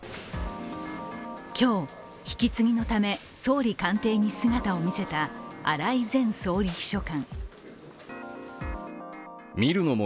今日、引き継ぎのため総理官邸に姿を見せた荒井前総理秘書官。